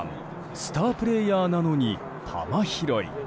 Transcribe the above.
スタープレーヤーなのに球拾い。